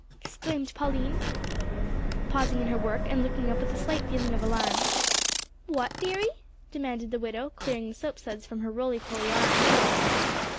exclaimed Pauline, pausing in her work and looking up with a slight feeling of alarm. "What, dearie?" demanded the widow, clearing the soap suds from her red roly poly arms.